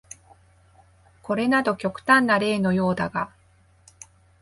これなど極端な例のようだが、